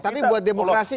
tapi buat demokrasi